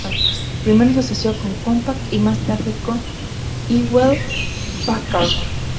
Primero se asoció con Compaq y más tarde con Hewlett-Packard.